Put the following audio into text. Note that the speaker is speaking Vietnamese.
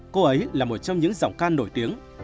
cô ấy là một trong những giọng ca nổi tiếng